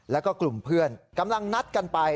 แล้วก็กลุ่มเพื่อนกำลังนัดกันไป